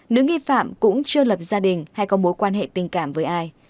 nữ nghi phạm cũng chưa lập gia đình hay có mối quan hệ tình cảm với ai